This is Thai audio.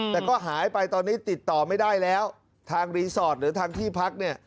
แต่ก็หายไปตอนนี้ติดต่อไม่ได้แล้วทางรีสอร์ทหรือทางที่พักเนี่ย